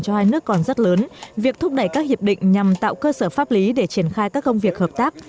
cho hai nước còn rất lớn việc thúc đẩy các hiệp định nhằm tạo cơ sở pháp lý để triển khai các công việc hợp tác